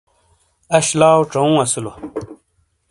اش لاؤ ژوں اسیلو۔